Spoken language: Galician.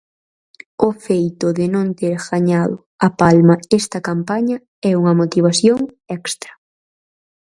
O feito de non ter gañado a Palma esta campaña é unha motivación extra.